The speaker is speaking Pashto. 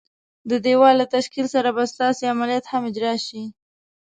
د دېوال له تشکیل سره به ستاسي عملیات هم اجرا شي.